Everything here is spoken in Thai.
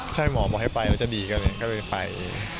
ถ้าหมอบอกให้ไปก็จะดีก็เลยไป